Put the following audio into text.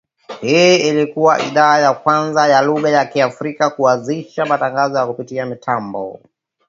Hii ilikua idhaa ya kwanza ya lugha ya Kiafrika kuanzisha matangazo kupitia mitambo